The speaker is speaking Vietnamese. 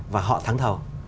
và họ thắng thầu